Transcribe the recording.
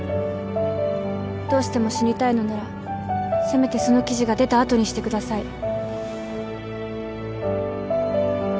どうしても死にたいのならせめてその記事が出た後にしてください。